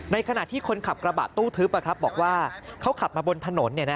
ขณะที่คนขับกระบะตู้ทึบบอกว่าเขาขับมาบนถนน